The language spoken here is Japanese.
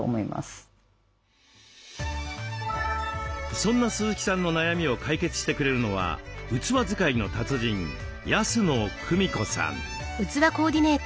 そんな鈴木さんの悩みを解決してくれるのは器使いの達人安野久美子さん。